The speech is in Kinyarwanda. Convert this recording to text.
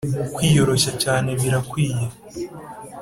kwiyoroshya cyane birakwiye